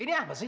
ini apa sih